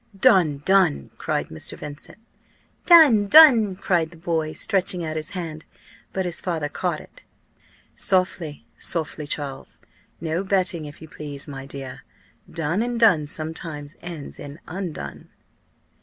"Done! done!" cried Mr. Vincent. "Done! done!" cried the boy, stretching out his hand, but his father caught it. "Softly! softly, Charles! No betting, if you please, my dear. Done and done sometimes ends in undone."